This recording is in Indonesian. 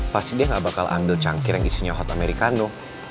pasti dia gak bakal ambil cangkir yang isinya hot americano